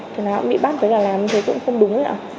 thì nó cũng bị bắt tới là làm thế cũng không đúng nữa